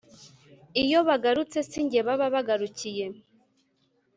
Iyo bagarutse, si jye baba bagarukiye,